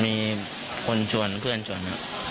มีคนชวนเพื่อนชวน